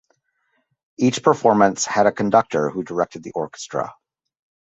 Each performance had a conductor who directed the orchestra.